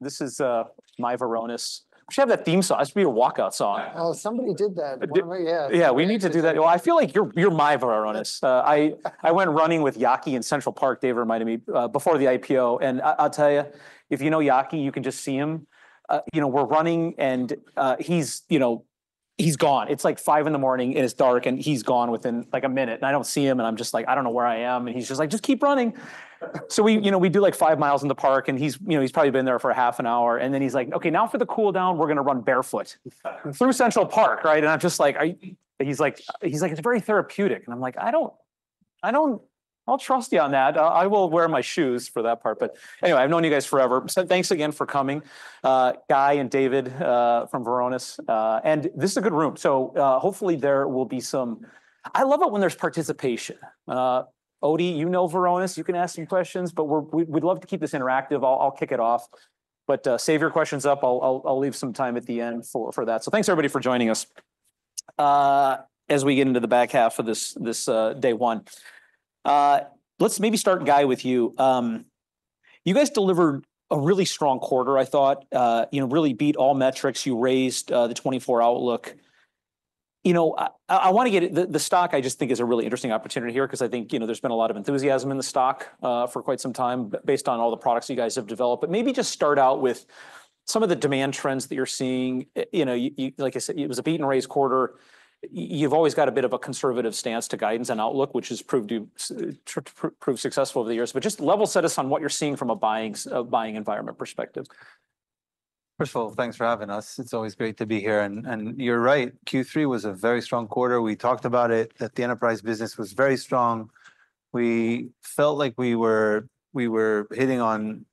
This is my Varonis. We should have that theme song. I should be a walkout song. Oh, somebody did that. Yeah, we need to do that. Well, I feel like you're my Varonis. I went running with Yaki in Central Park. Dave reminded me before the IPO. And I'll tell you, if you know Yaki, you can just see him. You know, we're running and he's, you know, he's gone. It's like five in the morning and it's dark and he's gone within like a minute. And I don't see him and I'm just like, I don't know where I am. And he's just like, just keep running. So we, you know, we do like five miles in the park and he's, you know, he's probably been there for a half an hour. And then he's like, okay, now for the cool down, we're going to run barefoot through Central Park, right? And I'm just like, he's like, he's like, it's very therapeutic. I'm like, I don't, I don't, I'll trust you on that. I will wear my shoes for that part. But anyway, I've known you guys forever. So thanks again for coming, Guy and David from Varonis. And this is a good room. So hopefully there will be some. I love it when there's participation. Odie, you know Varonis, you can ask some questions, but we'd love to keep this interactive. I'll kick it off, but save your questions up. I'll leave some time at the end for that. So thanks everybody for joining us as we get into the back half of this day one. Let's maybe start, Guy, with you. You guys delivered a really strong quarter. I thought, you know, really beat all metrics. You raised the 2024 Outlook. You know, I want to get the stock. I just think is a really interesting opportunity here because I think, you know, there's been a lot of enthusiasm in the stock for quite some time based on all the products you guys have developed. But maybe just start out with some of the demand trends that you're seeing. You know, like I said, it was a beat and raise quarter. You've always got a bit of a conservative stance to guidance and outlook, which has proved successful over the years. But just level set us on what you're seeing from a buying environment perspective. First of all, thanks for having us. It's always great to be here. And you're right, Q3 was a very strong quarter. We talked about it that the enterprise business was very strong. We felt like we were hitting on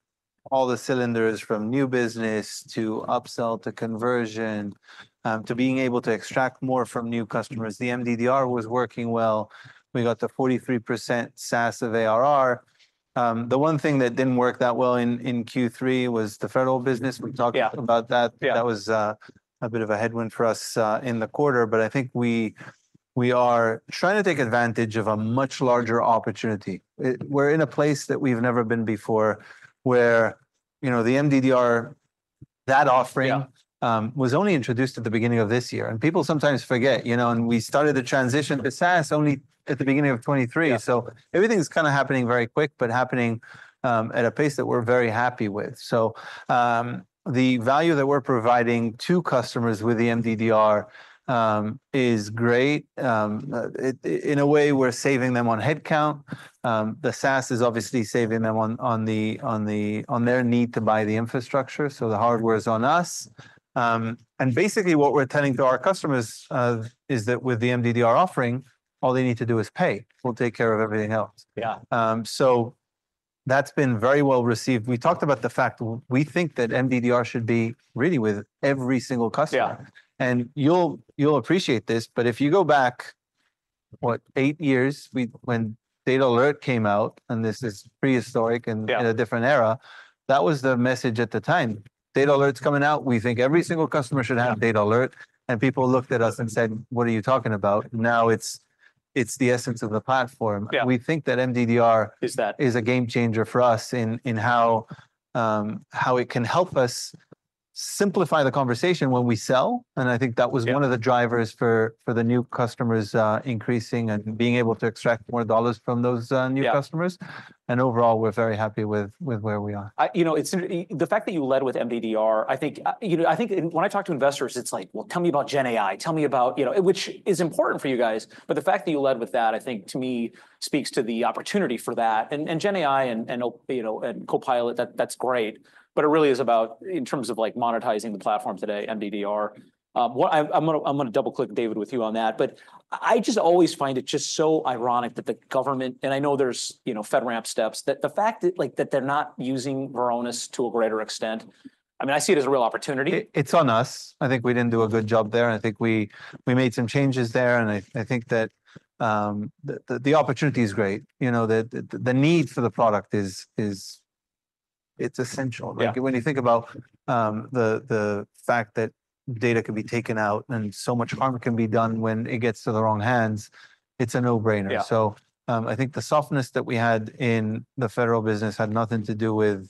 all the cylinders from new business to upsell to conversion to being able to extract more from new customers. The MDDR was working well. We got the 43% SaaS of ARR. The one thing that didn't work that well in Q3 was the federal business. We talked about that. That was a bit of a headwind for us in the quarter, but I think we are trying to take advantage of a much larger opportunity. We're in a place that we've never been before where, you know, the MDDR, that offering was only introduced at the beginning of this year. People sometimes forget, you know, and we started the transition to SaaS only at the beginning of 2023. Everything's kind of happening very quick, but happening at a pace that we're very happy with. The value that we're providing to customers with the MDDR is great. In a way, we're saving them on headcount. The SaaS is obviously saving them on their need to buy the infrastructure. The hardware is on us. Basically what we're telling to our customers is that with the MDDR offering, all they need to do is pay. We'll take care of everything else. Yeah, that's been very well received. We talked about the fact we think that MDDR should be ready with every single customer. You'll appreciate this, but if you go back, what, eight years when DatAlert came out, and this is prehistoric and in a different era, that was the message at the time. DatAlert's coming out. We think every single customer should have DatAlert. And people looked at us and said, what are you talking about? Now it's the essence of the platform. We think that MDDR is a game changer for us in how it can help us simplify the conversation when we sell. And I think that was one of the drivers for the new customers increasing and being able to extract more dollars from those new customers. And overall, we're very happy with where we are. You know, the fact that you led with MDDR, I think, you know, I think when I talk to investors, it's like, well, tell me about Gen AI. Tell me about, you know, which is important for you guys. But the fact that you led with that, I think to me speaks to the opportunity for that, and Gen AI and Copilot, that's great, but it really is about, in terms of like monetizing the platform today, MDDR. I'm going to double click David with you on that, but I just always find it just so ironic that the government, and I know there's, you know, FedRAMP steps, that the fact that like that they're not using Varonis to a greater extent, I mean, I see it as a real opportunity. It's on us. I think we didn't do a good job there. I think we made some changes there, and I think that the opportunity is great. You know, the need for the product is essential. When you think about the fact that data can be taken out and so much harm can be done when it gets to the wrong hands, it's a no-brainer, so I think the softness that we had in the federal business had nothing to do with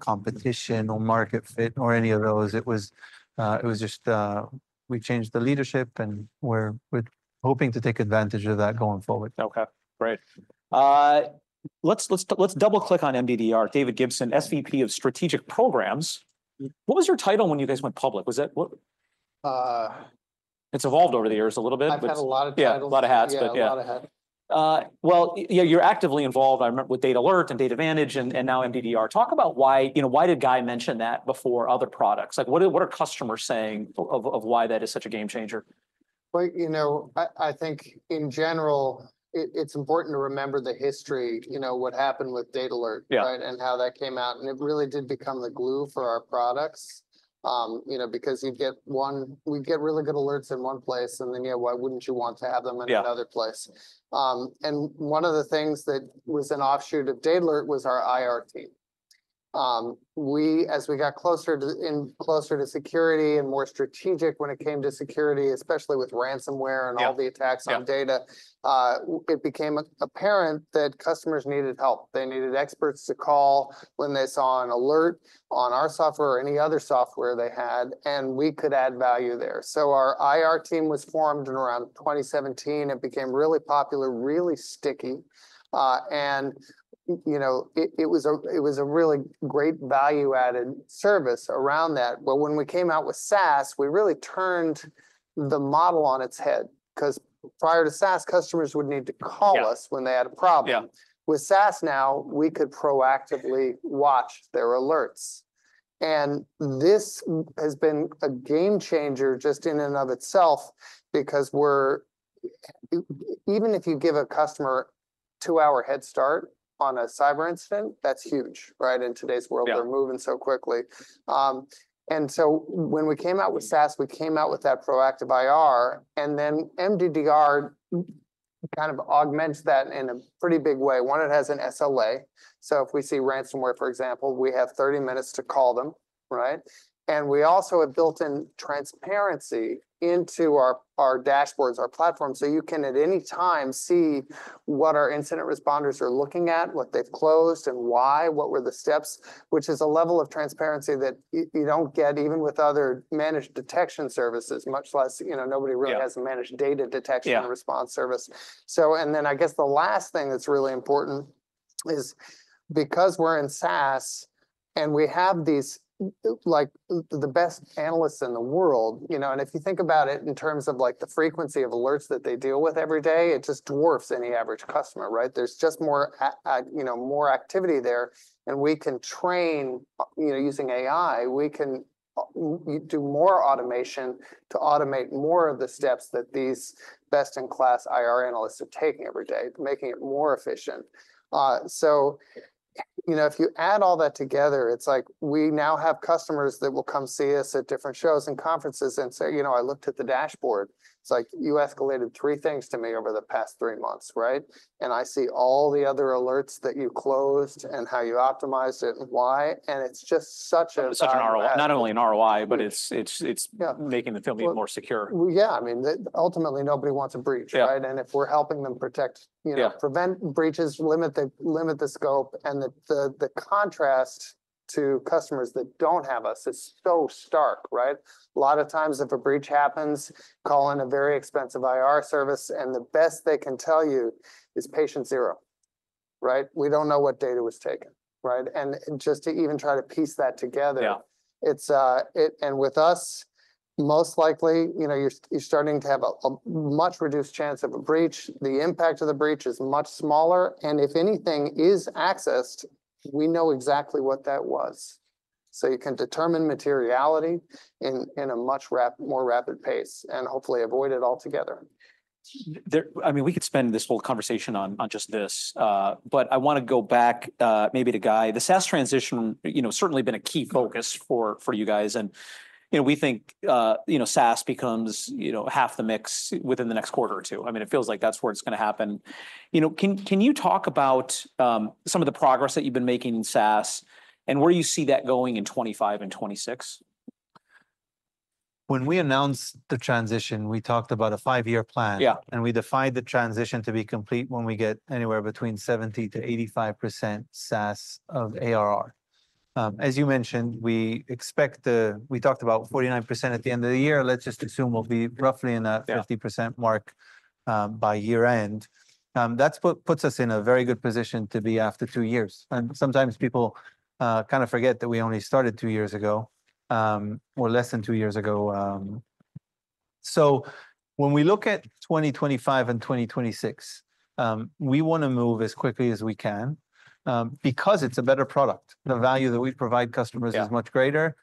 competition or market fit or any of those. It was just we changed the leadership and we're hoping to take advantage of that going forward. Okay, great. Let's double click on MDDR. David Gibson, SVP of Strategic Programs. What was your title when you guys went public? It's evolved over the years a little bit. I've had a lot of titles. A lot of hats, but yeah. A lot of hats. You're actively involved, I remember, with DatAlert and DatAdvantage and now MDDR. Talk about why, you know, why did Guy mention that before other products? Like what are customers saying of why that is such a game changer? You know, I think in general, it's important to remember the history, you know, what happened with DatAlert, right, and how that came out. It really did become the glue for our products, you know, because you'd get one, we'd get really good alerts in one place and then, yeah, why wouldn't you want to have them in another place? One of the things that was an offshoot of DatAlert was our IR team. We, as we got closer to security and more strategic when it came to security, especially with ransomware and all the attacks on data, it became apparent that customers needed help. They needed experts to call when they saw an alert on our software or any other software they had, and we could add value there. Our IR team was formed in around 2017. It became really popular, really sticky. You know, it was a really great value-added service around that. But when we came out with SaaS, we really turned the model on its head because prior to SaaS, customers would need to call us when they had a problem. With SaaS now, we could proactively watch their alerts. And this has been a game changer just in and of itself because we're, even if you give a customer a two-hour head start on a cyber incident, that's huge, right? In today's world, we're moving so quickly. And so when we came out with SaaS, we came out with that proactive IR, and then MDDR kind of augments that in a pretty big way. One, it has an SLA. So if we see ransomware, for example, we have 30 minutes to call them, right? And we also have built-in transparency into our dashboards, our platform. So you can, at any time, see what our incident responders are looking at, what they've closed and why, what the steps were, which is a level of transparency that you don't get even with other managed detection services, much less, you know, nobody really has a managed data detection and response service. So, and then I guess the last thing that's really important is because we're in SaaS and we have these like the best analysts in the world, you know, and if you think about it in terms of like the frequency of alerts that they deal with every day, it just dwarfs any average customer, right? There's just more, you know, more activity there. And we can train, you know, using AI, we can do more automation to automate more of the steps that these best-in-class IR analysts are taking every day, making it more efficient. So, you know, if you add all that together, it's like we now have customers that will come see us at different shows and conferences and say, you know, I looked at the dashboard. It's like you escalated three things to me over the past three months, right? And I see all the other alerts that you closed and how you optimized it and why. And it's just such a. Not only an ROI, but it's making the company more secure. Yeah, I mean, ultimately nobody wants a breach, right? And if we're helping them protect, you know, prevent breaches, limit the scope and the contrast to customers that don't have us is so stark, right? A lot of times if a breach happens, call in a very expensive IR service and the best they can tell you is Patient Zero, right? We don't know what data was taken, right? And just to even try to piece that together, and with us, most likely, you know, you're starting to have a much reduced chance of a breach. The impact of the breach is much smaller. And if anything is accessed, we know exactly what that was. So you can determine materiality in a much more rapid pace and hopefully avoid it altogether. I mean, we could spend this whole conversation on just this, but I want to go back maybe to Guy. The SaaS transition, you know, certainly been a key focus for you guys. And, you know, we think, you know, SaaS becomes, you know, half the mix within the next quarter or two. I mean, it feels like that's where it's going to happen. You know, can you talk about some of the progress that you've been making in SaaS and where you see that going in 2025 and 2026? When we announced the transition, we talked about a five-year plan, and we defined the transition to be complete when we get anywhere between 70%-85% SaaS of ARR. As you mentioned, we expect we talked about 49% at the end of the year. Let's just assume we'll be roughly in that 50% mark by year-end. That puts us in a very good position to be after two years, and sometimes people kind of forget that we only started two years ago or less than two years ago, so when we look at 2025 and 2026, we want to move as quickly as we can because it's a better product. The value that we provide customers is much greater.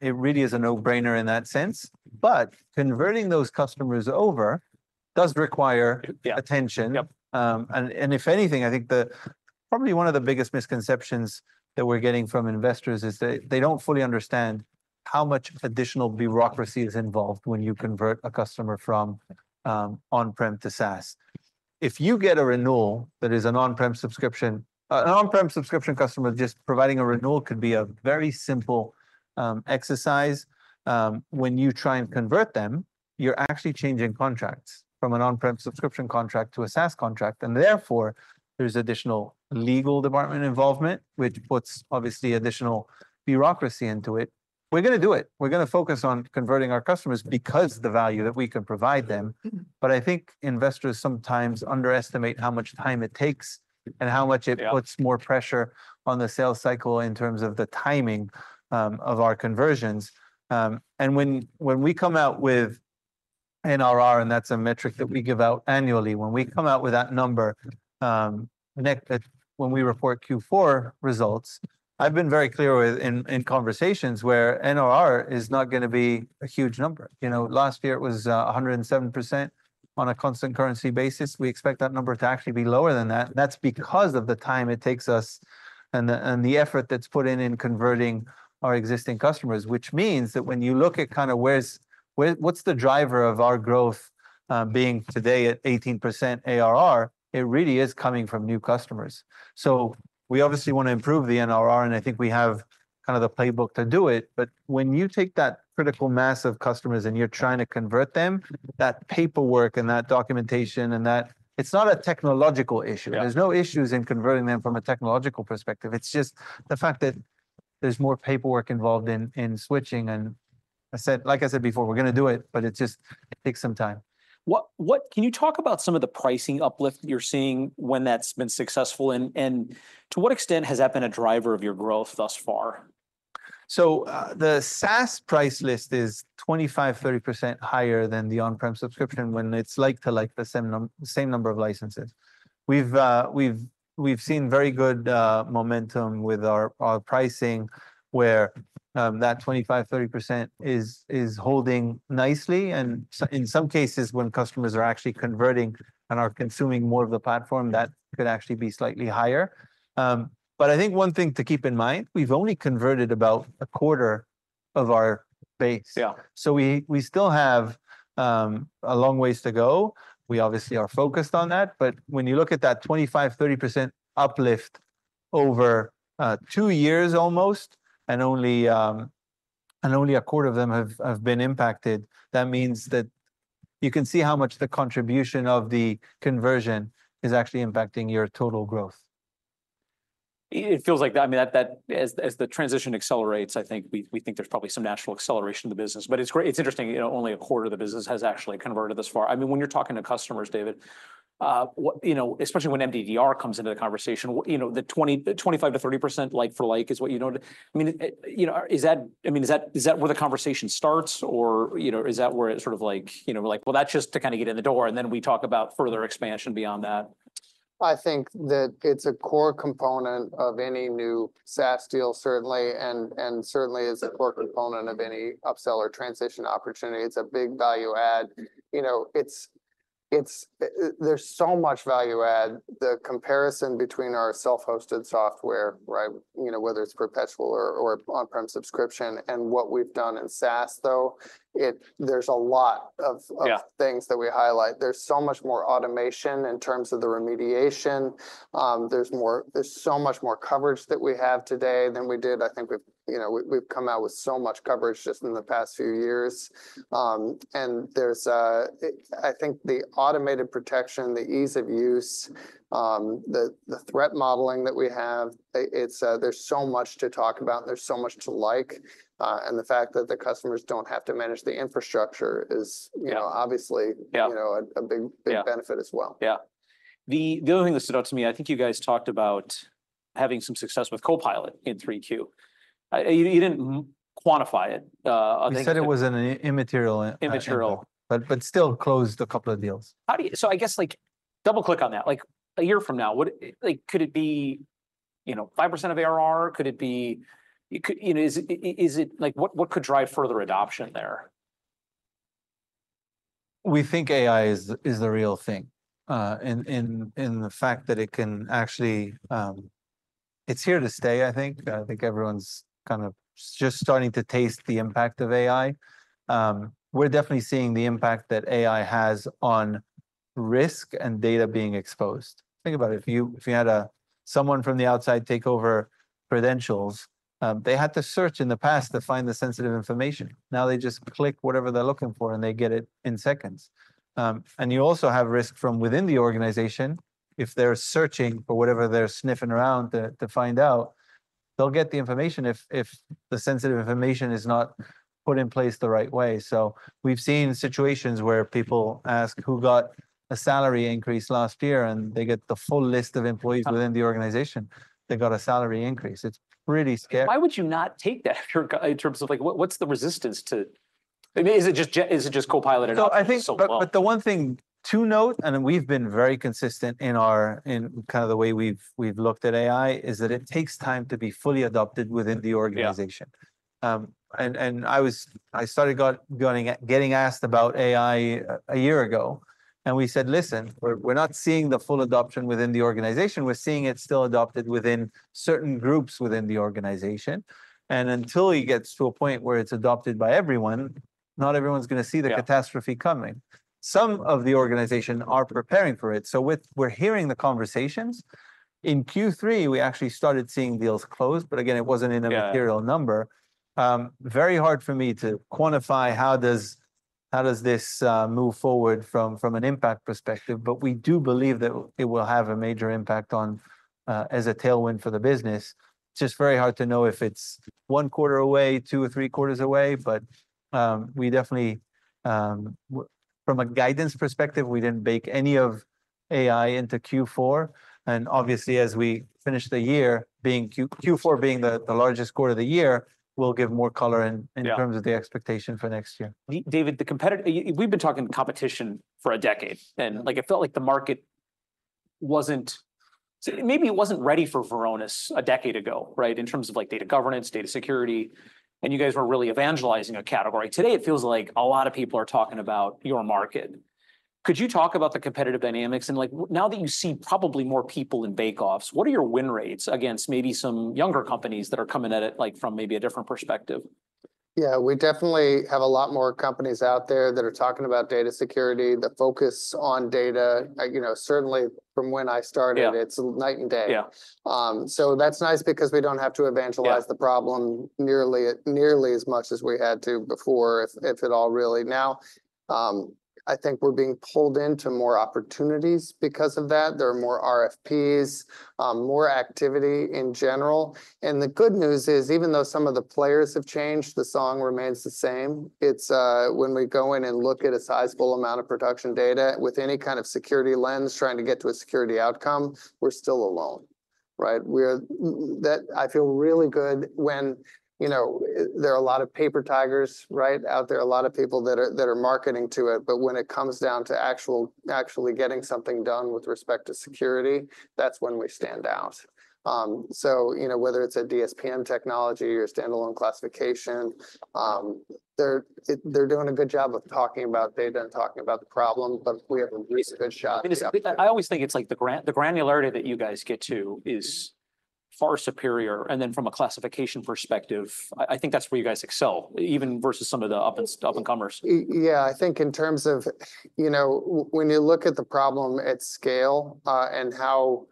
It really is a no-brainer in that sense, but converting those customers over does require attention. And if anything, I think probably one of the biggest misconceptions that we're getting from investors is that they don't fully understand how much additional bureaucracy is involved when you convert a customer from on-prem to SaaS. If you get a renewal that is an on-prem subscription, an on-prem subscription customer just providing a renewal could be a very simple exercise. When you try and convert them, you're actually changing contracts from an on-prem subscription contract to a SaaS contract. And therefore, there's additional legal department involvement, which puts obviously additional bureaucracy into it. We're going to do it. We're going to focus on converting our customers because of the value that we can provide them. But I think investors sometimes underestimate how much time it takes and how much it puts more pressure on the sales cycle in terms of the timing of our conversions. When we come out with NRR, and that's a metric that we give out annually, when we come out with that number, when we report Q4 results, I've been very clear within conversations where NRR is not going to be a huge number. You know, last year it was 107% on a constant currency basis. We expect that number to actually be lower than that. That's because of the time it takes us and the effort that's put in in converting our existing customers, which means that when you look at kind of what's the driver of our growth being today at 18% ARR, it really is coming from new customers. We obviously want to improve the NRR, and I think we have kind of the playbook to do it. But when you take that critical mass of customers and you're trying to convert them, that paperwork and that documentation and that. It's not a technological issue. There's no issues in converting them from a technological perspective. It's just the fact that there's more paperwork involved in switching. And like I said before, we're going to do it, but it just takes some time. Can you talk about some of the pricing uplift you're seeing when that's been successful? And to what extent has that been a driver of your growth thus far? So the SaaS price list is 25%-30% higher than the on-prem subscription when it's like to like the same number of licenses. We've seen very good momentum with our pricing where that 25%-30% is holding nicely. And in some cases, when customers are actually converting and are consuming more of the platform, that could actually be slightly higher. But I think one thing to keep in mind, we've only converted about a quarter of our base. So we still have a long ways to go. We obviously are focused on that. But when you look at that 25%-30% uplift over two years almost, and only a quarter of them have been impacted, that means that you can see how much the contribution of the conversion is actually impacting your total growth. It feels like that. I mean, as the transition accelerates, I think we think there's probably some natural acceleration of the business. But it's interesting, you know, only a quarter of the business has actually converted thus far. I mean, when you're talking to customers, David, you know, especially when MDDR comes into the conversation, you know, the 25-30% like for like is what you noted. I mean, you know, is that, I mean, is that where the conversation starts or, you know, is that where it's sort of like, you know, like, well, that's just to kind of get in the door and then we talk about further expansion beyond that? I think that it's a core component of any new SaaS deal, certainly, and certainly is a core component of any upsell or transition opportunity. It's a big value add. You know, there's so much value add. The comparison between our self-hosted software, right, you know, whether it's perpetual or on-prem subscription and what we've done in SaaS, though, there's a lot of things that we highlight. There's so much more automation in terms of the remediation. There's so much more coverage that we have today than we did. I think we've, you know, we've come out with so much coverage just in the past few years, and there's, I think, the automated protection, the ease of use, the threat modeling that we have, there's so much to talk about and there's so much to like. The fact that the customers don't have to manage the infrastructure is, you know, obviously, you know, a big benefit as well. Yeah. The other thing that stood out to me, I think you guys talked about having some success with Copilot in 3Q. You didn't quantify it. He said it was an immaterial. Immaterial. But still closed a couple of deals. So I guess like double-click on that. Like a year from now, could it be, you know, 5% of ARR? Could it be, you know, is it like what could drive further adoption there? We think AI is the real thing. And the fact that it can actually, it's here to stay, I think. I think everyone's kind of just starting to taste the impact of AI. We're definitely seeing the impact that AI has on risk and data being exposed. Think about it. If you had someone from the outside take over credentials, they had to search in the past to find the sensitive information. Now they just click whatever they're looking for and they get it in seconds. And you also have risk from within the organization. If they're searching for whatever they're sniffing around to find out, they'll get the information if the sensitive information is not put in place the right way. So we've seen situations where people ask who got a salary increase last year and they get the full list of employees within the organization. They got a salary increase. It's pretty scary. Why would you not take that in terms of like what's the resistance to, is it just Copilot? No, I think, but the one thing to note, and we've been very consistent in our, in kind of the way we've looked at AI, is that it takes time to be fully adopted within the organization. And I started getting asked about AI a year ago. And we said, listen, we're not seeing the full adoption within the organization. We're seeing it still adopted within certain groups within the organization. And until it gets to a point where it's adopted by everyone, not everyone's going to see the catastrophe coming. Some of the organization are preparing for it. So we're hearing the conversations. In Q3, we actually started seeing deals closed, but again, it wasn't an immaterial number. Very hard for me to quantify how does this move forward from an impact perspective, but we do believe that it will have a major impact as a tailwind for the business. It's just very hard to know if it's one quarter away, two or three quarters away, but we definitely, from a guidance perspective, we didn't bake any of AI into Q4. And obviously, as we finish the year, Q4 being the largest quarter of the year, we'll give more color in terms of the expectation for next year. David, we've been talking competition for a decade. Like it felt like the market wasn't, maybe it wasn't ready for Varonis a decade ago, right? In terms of like data governance, data security, and you guys were really evangelizing a category. Today, it feels like a lot of people are talking about your market. Could you talk about the competitive dynamics and like now that you see probably more people in bake-offs, what are your win rates against maybe some younger companies that are coming at it like from maybe a different perspective? Yeah, we definitely have a lot more companies out there that are talking about data security, the focus on data, you know, certainly from when I started. It's night and day. So that's nice because we don't have to evangelize the problem nearly as much as we had to before, if at all really. Now, I think we're being pulled into more opportunities because of that. There are more RFPs, more activity in general. And the good news is even though some of the players have changed, the song remains the same. When we go in and look at a sizable amount of production data with any kind of security lens trying to get to a security outcome, we're still alone, right? I feel really good when, you know, there are a lot of paper tigers, right, out there, a lot of people that are marketing to it. But when it comes down to actually getting something done with respect to security, that's when we stand out. So, you know, whether it's a DSPM technology or standalone classification, they're doing a good job of talking about data and talking about the problem, but we have a really good shot. I mean, I always think it's like the granularity that you guys get to is far superior. And then from a classification perspective, I think that's where you guys excel, even versus some of the up-and-comers. Yeah, I think in terms of, you know, when you look at the problem at scale and how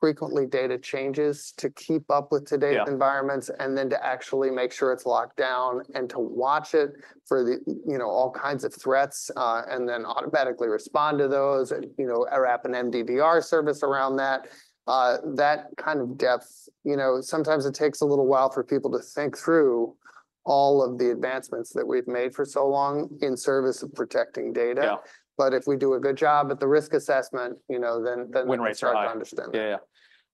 frequently data changes to keep up with today's environments and then to actually make sure it's locked down and to watch it for, you know, all kinds of threats and then automatically respond to those and, you know, wrap an MDDR service around that, that kind of depth, you know, sometimes it takes a little while for people to think through all of the advancements that we've made for so long in service of protecting data. But if we do a good job at the risk assessment, you know, then we're understanding. Yeah,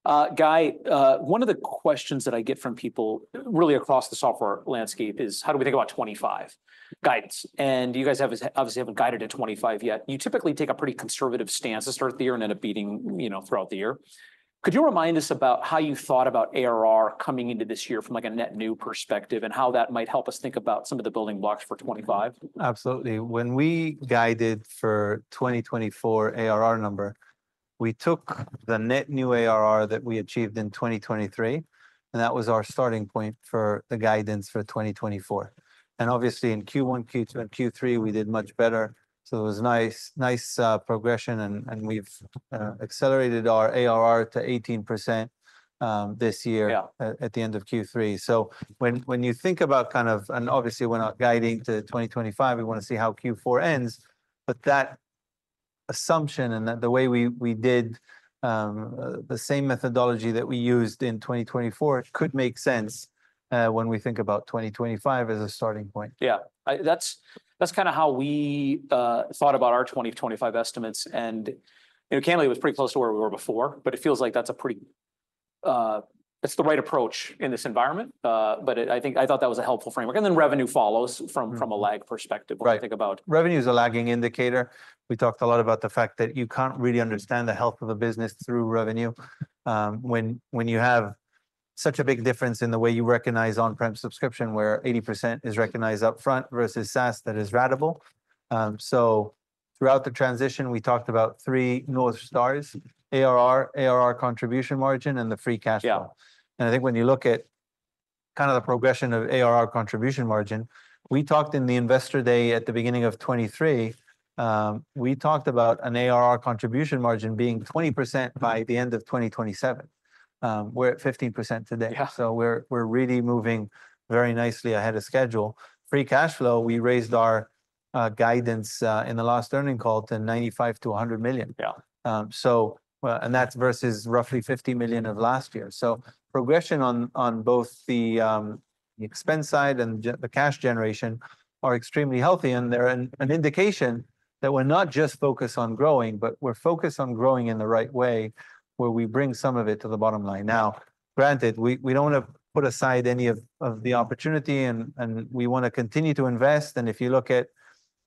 yeah. Guy, one of the questions that I get from people really across the software landscape is how do we think about 2025 guidance? And you guys obviously haven't guided at 2025 yet. You typically take a pretty conservative stance to start the year and end up beating, you know, throughout the year. Could you remind us about how you thought about ARR coming into this year from like a net new perspective and how that might help us think about some of the building blocks for 2025? Absolutely. When we guided for 2024 ARR number, we took the net new ARR that we achieved in 2023, and that was our starting point for the guidance for 2024, and obviously in Q1, Q2, and Q3, we did much better, so it was nice progression, and we've accelerated our ARR to 18% this year at the end of Q3, so when you think about kind of, and obviously we're not guiding to 2025, we want to see how Q4 ends, but that assumption and the way we did the same methodology that we used in 2024 could make sense when we think about 2025 as a starting point. Yeah, that's kind of how we thought about our 2025 estimates. And you know, was pretty close to where we were before, but it feels like that's a pretty, it's the right approach in this environment. But I thought that was a helpful framework. And then revenue follows from a lag perspective. What do you think about? Revenue is a lagging indicator. We talked a lot about the fact that you can't really understand the health of a business through revenue when you have such a big difference in the way you recognize on-prem subscription where 80% is recognized upfront versus SaaS that is ratable, so throughout the transition, we talked about three North Stars: ARR, ARR contribution margin, and the free cash flow, and I think when you look at kind of the progression of ARR contribution margin, we talked in the investor day at the beginning of 2023, we talked about an ARR contribution margin being 20% by the end of 2027. We're at 15% today, so we're really moving very nicely ahead of schedule. Free cash flow, we raised our guidance in the last earnings call to $95 million- $ 100 million. Yeah, and that's versus roughly $50 million of last year. So progression on both the expense side and the cash generation are extremely healthy. And they're an indication that we're not just focused on growing, but we're focused on growing in the right way where we bring some of it to the bottom line. Now, granted, we don't want to put aside any of the opportunity and we want to continue to invest. And if you look at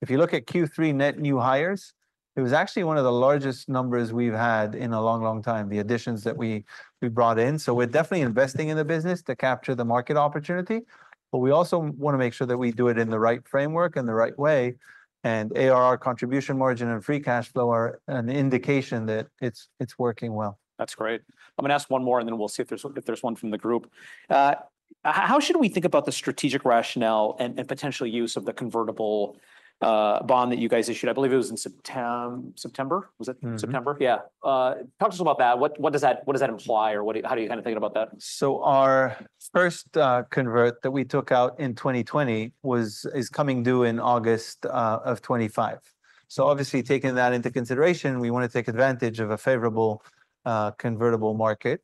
Q3 net new hires, it was actually one of the largest numbers we've had in a long, long time, the additions that we brought in. So we're definitely investing in the business to capture the market opportunity. But we also want to make sure that we do it in the right framework and the right way. And ARR contribution margin and free cash flow are an indication that it's working well. That's great. I'm going to ask one more and then we'll see if there's one from the group. How should we think about the strategic rationale and potential use of the convertible bond that you guys issued? I believe it was in September. Was it September? Yeah. Talk to us about that. What does that imply or how do you kind of think about that? So our first convert that we took out in 2020 is coming due in August of 2025. So obviously taking that into consideration, we want to take advantage of a favorable convertible market.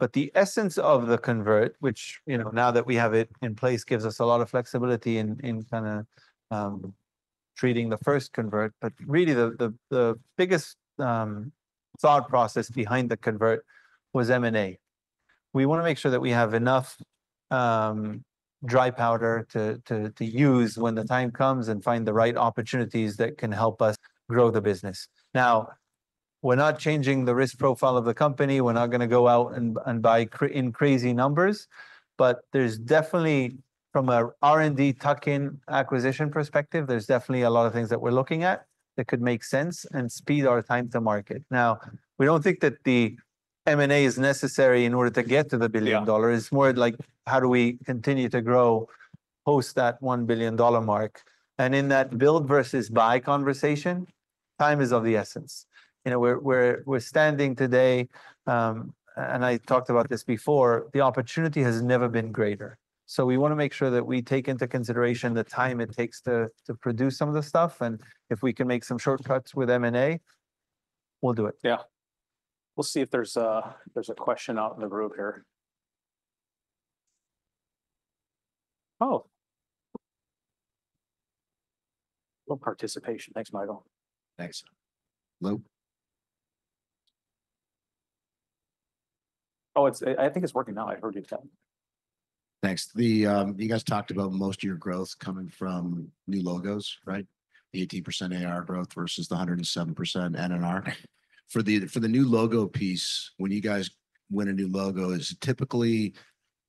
But the essence of the convert, which, you know, now that we have it in place, gives us a lot of flexibility in kind of treating the first convert. But really the biggest thought process behind the convert was M&A. We want to make sure that we have enough dry powder to use when the time comes and find the right opportunities that can help us grow the business. Now, we're not changing the risk profile of the company. We're not going to go out and buy in crazy numbers. But there's definitely, from an R&D tuck-in acquisition perspective, there's definitely a lot of things that we're looking at that could make sense and speed our time to market. Now, we don't think that the M&A is necessary in order to get to the billion dollars. It's more like how do we continue to grow post that $1 billion mark. And in that build versus buy conversation, time is of the essence. You know, we're standing today, and I talked about this before, the opportunity has never been greater. So we want to make sure that we take into consideration the time it takes to produce some of the stuff. And if we can make some shortcuts with M&A, we'll do it. Yeah. We'll see if there's a question out in the group here. Oh. No participation. Thanks, Michael. Thanks. Oh, I think it's working now. I heard you tell me. Thanks. You guys talked about most of your growth coming from new logos, right? The 18% ARR growth versus the 107% NRR. For the new logo piece, when you guys win a new logo, is it typically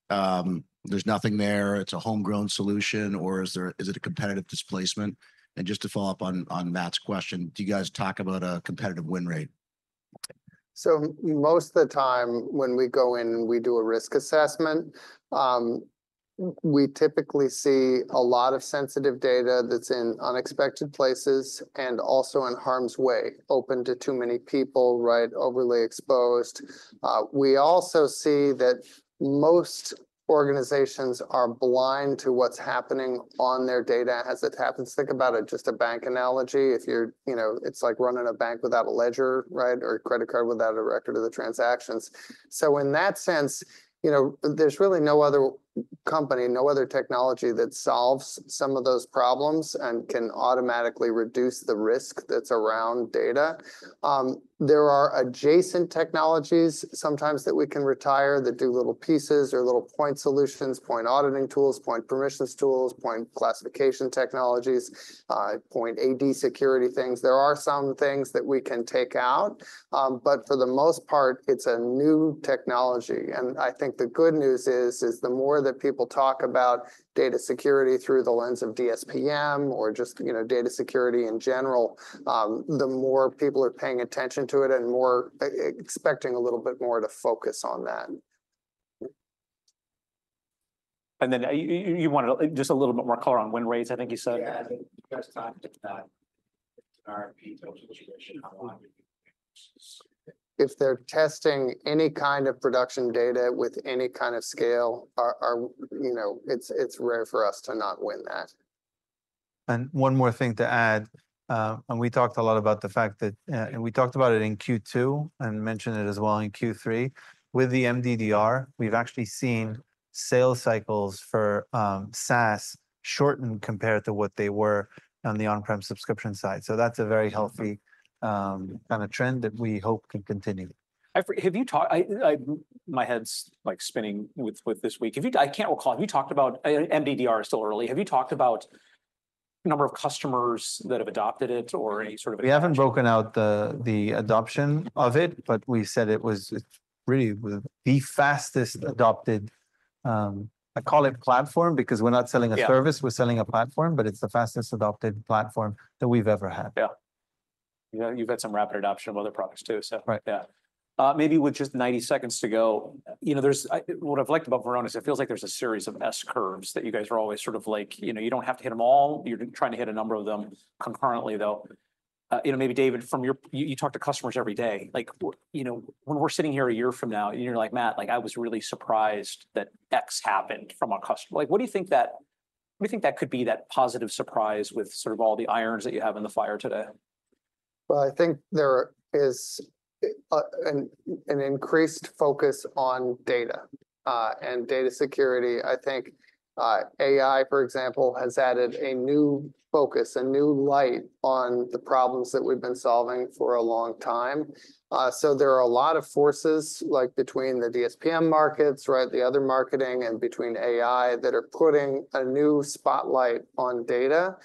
there's nothing there, it's a homegrown solution, or is it a competitive displacement? And just to follow up on Matt's question, do you guys talk about a competitive win rate? So most of the time when we go in and we do a risk assessment, we typically see a lot of sensitive data that's in unexpected places and also in harm's way, open to too many people, right, overly exposed. We also see that most organizations are blind to what's happening on their data as it happens. Think about it, just a bank analogy. If you're, you know, it's like running a bank without a ledger, right, or a credit card without a record of the transactions. So in that sense, you know, there's really no other company, no other technology that solves some of those problems and can automatically reduce the risk that's around data. There are adjacent technologies sometimes that we can retire that do little pieces or little point solutions, point auditing tools, point permissions tools, point classification technologies, point AD security things. There are some things that we can take out, but for the most part, it's a new technology. And I think the good news is, the more that people talk about data security through the lens of DSPM or just, you know, data security in general, the more people are paying attention to it and more expecting a little bit more to focus on that. You wanted just a little bit more color on win rates. I think you said. If they're testing any kind of production data with any kind of scale, you know, it's rare for us to not win that. One more thing to add. We talked a lot about the fact that, and we talked about it in Q2 and mentioned it as well in Q3. With the MDDR, we've actually seen sales cycles for SaaS shortened compared to what they were on the on-prem subscription side. That's a very healthy kind of trend that we hope can continue. Have you talked? My head's like spinning with this week. I can't recall. Have you talked about MDDR? Still early? Have you talked about the number of customers that have adopted it or any sort of? We haven't broken out the adoption of it, but we said it was really the fastest adopted. I call it platform because we're not selling a service, we're selling a platform, but it's the fastest adopted platform that we've ever had. Yeah. You've had some rapid adoption of other products too. So yeah. Maybe with just 90 seconds to go, you know, there's what I've liked about Varonis. It feels like there's a series of S curves that you guys are always sort of like, you know, you don't have to hit them all. You're trying to hit a number of them concurrently though. You know, maybe David, from your, you talk to customers every day, like, you know, when we're sitting here a year from now and you're like, Matt, like I was really surprised that X happened from a customer. Like, what do you think that, what do you think that could be that positive surprise with sort of all the irons that you have in the fire today? I think there is an increased focus on data and data security. I think AI, for example, has added a new focus, a new light on the problems that we've been solving for a long time. So there are a lot of forces like between the DSPM markets, right, the other markets and between AI that are putting a new spotlight on data.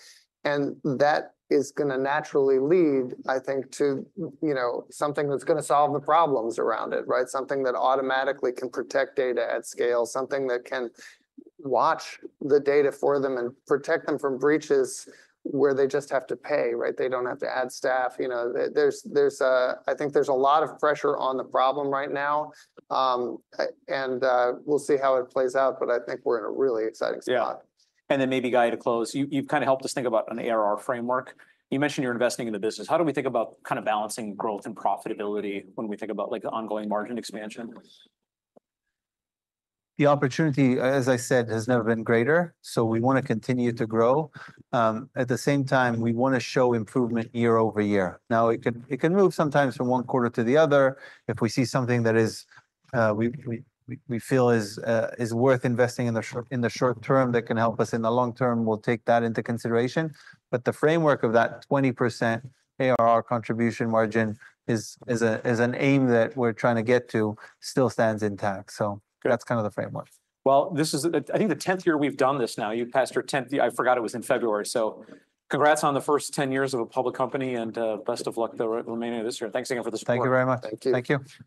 And that is going to naturally lead, I think, to, you know, something that's going to solve the problems around it, right? Something that automatically can protect data at scale, something that can watch the data for them and protect them from breaches where they just have to pay, right? They don't have to add staff. You know, there's, I think there's a lot of pressure on the problem right now. We'll see how it plays out, but I think we're in a really exciting spot. Then maybe guide to close. You've kind of helped us think about an ARR framework. You mentioned you're investing in the business. How do we think about kind of balancing growth and profitability when we think about like the ongoing margin expansion? The opportunity, as I said, has never been greater. So we want to continue to grow. At the same time, we want to show improvement year over year. Now it can move sometimes from one quarter to the other. If we see something that we feel is worth investing in the short term, that can help us in the long term, we'll take that into consideration. But the framework of that 20% ARR contribution margin is an aim that we're trying to get to still stands intact. So that's kind of the framework. This is, I think the 10th year we've done this now. You passed your 10th, I forgot it was in February. Congrats on the first 10 years of a public company and best of luck the remainder of this year. Thanks again for this program. Thank you very much. Thank you.